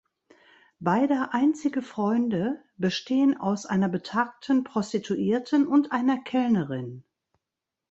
Beider einzige Freunde bestehen aus einer betagten Prostituierten und einer Kellnerin.